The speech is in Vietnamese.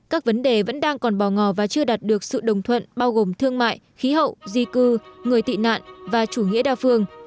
các vấn đề vẫn đang còn bò ngò và chưa đạt được sự đồng thuận bao gồm thương mại khí hậu di cư người tị nạn và chủ nghĩa đa phương